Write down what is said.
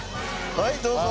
はいどうぞ。